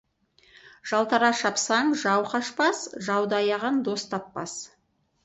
Жалтара шапсаң, жау қашпас, жауды аяған дос таппас.